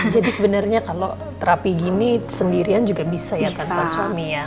jadi sebenernya kalau terapi gini sendirian juga bisa ya tanpa suami ya